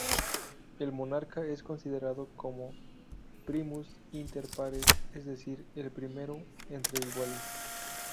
El monarca es considerado como "primus inter pares", es decir 'el primero entre iguales'.